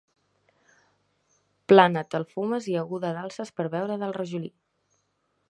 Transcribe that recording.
Plana te'l fumes i aguda l'alces per beure del rajolí.